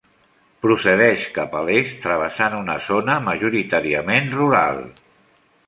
Procedeix cap a l'est, travessant una zona majoritàriament rural.